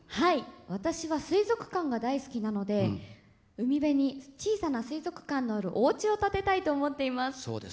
私は水族館が大好きなので海辺に小さな水族館のあるおうちを建てたいと思っています。